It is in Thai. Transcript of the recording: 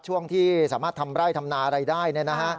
ช่วงที่สามารถทำไร่ทำนาอะไรได้